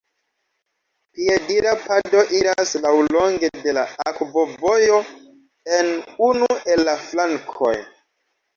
Piedira pado iras laŭlonge de la akvovojo en unu el la flankoj.